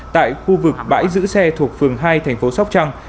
tại khu vực bãi giữ xe thuộc phường hai thành phố sóc trăng